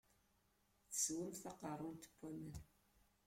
Teswamt taqeṛɛunt n waman.